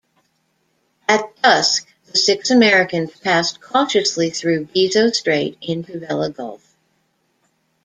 At dusk, the six Americans passed cautiously through Gizo Strait into Vella Gulf.